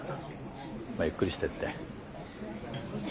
まぁゆっくりしてって。